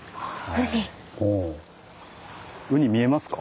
ウニ見えますか？